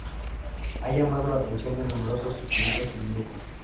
Ha llamado la atención de numerosas activistas feministas.